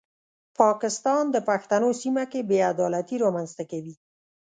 پاکستان د پښتنو سیمه کې بې عدالتي رامنځته کوي.